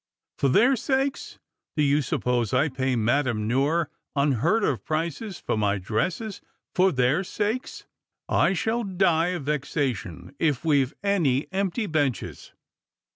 " For their sakes ! Do you suppose I pay Madame Noire \in heard of prices for my dresses for their sakes ? I shall die of vexation if we've any empty benches."